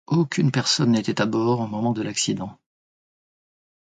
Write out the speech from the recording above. Aucune personne n'était à bord au moment de l'accident.